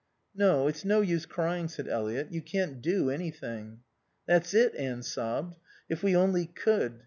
"No. It's no use crying," said Eliot. "You can't do anything." "That's it," Anne sobbed. "If we only could.